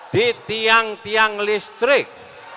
di tiang tiang listrik